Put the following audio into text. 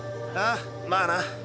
ああまあな。